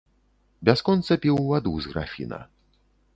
Бясконца піў ваду з графіна.